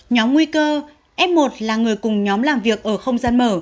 nhóm nguy cơ f một là người cùng nhóm làm việc ở không gian mở